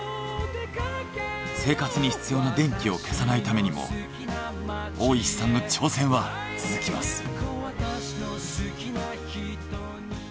生活に必要な電気を消さないためにも大石さんの挑戦は続きます。